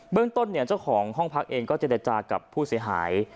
เรื่องต้นเนี่ยเจ้าของห้องพักเองก็เจรจากับผู้เสียหาย